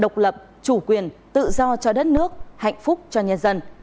độc lập chủ quyền tự do cho đất nước hạnh phúc cho nhân dân